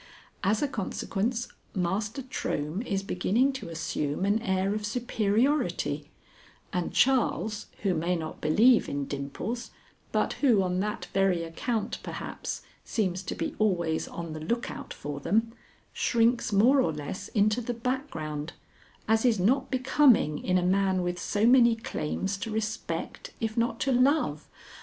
As a consequence, Master Trohm is beginning to assume an air of superiority, and Charles, who may not believe in dimples, but who on that very account, perhaps, seems to be always on the lookout for them, shrinks more or less into the background, as is not becoming in a man with so many claims to respect, if not to love.